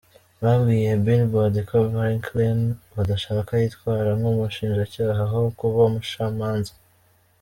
Babwiye Billboard ko Brinkley badashaka ‘yitwara nk’umushinjacyaha aho kuba umucamanza’.